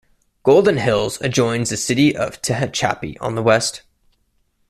Golden Hills adjoins the city of Tehachapi on the west.